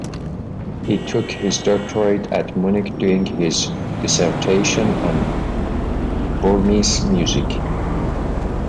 He took his doctorate at Munich doing his dissertation on Burmese music.